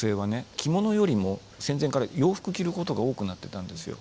着物よりも戦前から洋服着ることが多くなってたんですよ。